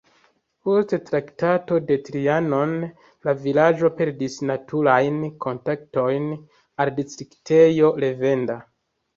Post Traktato de Trianon la vilaĝo perdis naturajn kontaktojn al distriktejo Lendava.